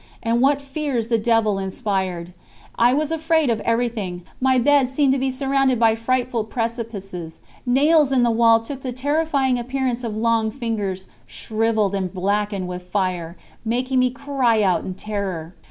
And what fears the devil inspired! I was afraid of everything; my bed seemed to be surrounded by frightful precipices; nails in the wall took the terrifying appearance of long fingers, shrivelled and blackened with fire, making me cry out in terror.